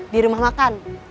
di rumah makan